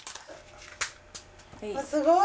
すごい！